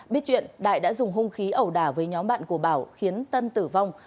biết chuyện đại đã dùng hung khí ẩu đả với nhóm bạn của bảo khiến tân tử vong